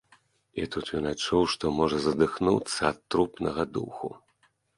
І тут ён адчуў, што можа задыхнуцца ад трупнага духу.